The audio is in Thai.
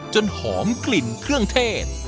หอมกลิ่นเครื่องเทศ